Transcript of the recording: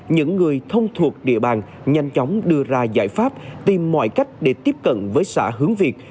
những người thông thuộc địa bàn nhanh chóng đưa ra giải pháp tìm mọi cách để tiếp cận với xã hướng việt